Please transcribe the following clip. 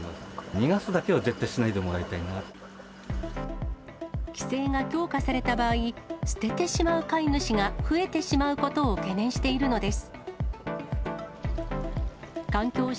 逃がすだけは絶対にしないでもら規制が強化された場合、捨ててしまう飼い主が増えてしまうことを懸念しているのです。